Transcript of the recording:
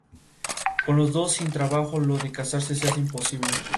Con los dos sin trabajo lo de casarse se hace imposible.